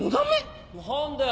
何だよ。